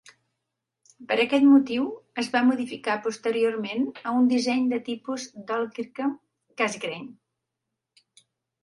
Per aquest motiu, es va modificar posteriorment a un disseny de tipus Dall-Kirkham Cassegrain.